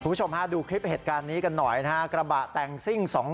คุณผู้ชมฮะดูคลิปเหตุการณ์นี้กันหน่อยนะฮะกระบะแต่งซิ่งสอง